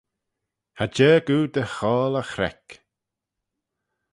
Cha jarg oo dty choayl y chreck